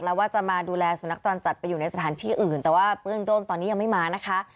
แล้วว่าจะมาดูแลสุนัขจรจัดไปอยู่ในสถานที่อื่นแต่ว่าเบื้องต้นตอนนี้ยังไม่มานะคะ